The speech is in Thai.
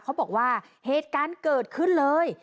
เขาบอกว่าเหตุการณ์เกิดขึ้นเลย